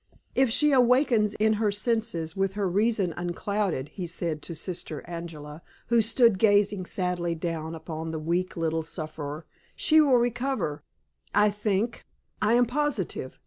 "If she awakens in her senses, with her reason unclouded," he said to Sister Angela, who stood gazing sadly down upon the weak little sufferer, "she will recover, I think I am positive.